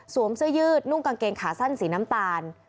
เสื้อยืดนุ่งกางเกงขาสั้นสีน้ำตาล